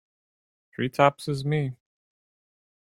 Three taps is me.